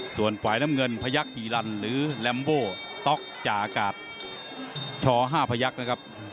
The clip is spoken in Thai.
ส่วนฝ่ายน้ำเงินพยักษ์อีรันท์หรือลัมโบต๊อกจากาศชอห้าพยักษ์นะครับ